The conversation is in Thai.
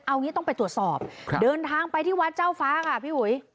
เอางี้ต้องไปตรวจสอบเดินทางไปที่วัดเจ้าฟ้าค่ะพี่อุ๋ย